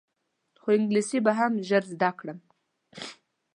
خو انګلیسي به هم ژر زده کړم.